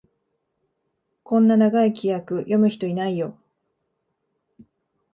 こんな長い規約、読む人いないよ